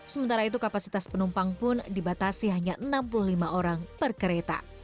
sementara itu kapasitas penumpang pun dibatasi hanya enam puluh lima orang per kereta